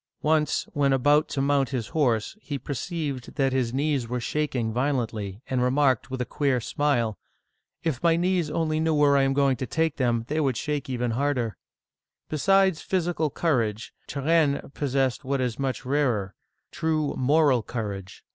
Once, when about to mount his horse, he perceived that his knees were shaking violently, and remarked with a queer smile, If my knees only knew where I am going to take them, they would shake even harder !Besides physical courage, Turenne possessed what is much rarer, true moral courage.